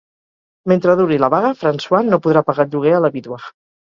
Mentre duri la vaga, François no podrà pagar el lloguer a la vídua.